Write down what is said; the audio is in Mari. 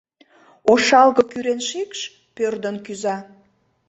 Ошалге-кӱрен шикш пӧрдын кӱза.